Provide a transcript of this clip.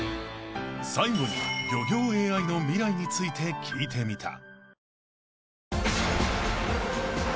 ［最後に漁業ＡＩの未来について聞いてみた］